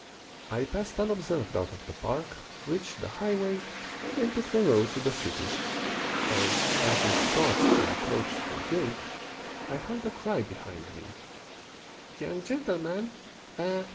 I passed unobserved out of the park, reached the highway, and took the road to the city. As, sunk in thought, I approached the gate I heard a cry behind me. "Young gentleman! eh!